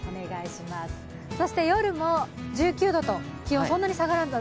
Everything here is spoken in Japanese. そして夜も１９度と気温がそんなに下がらないと。